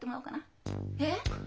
えっ！？